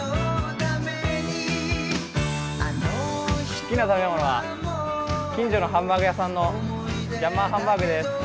好きな食べ物は、近所のハンバーグ屋さんのジャーマンハンバーグです。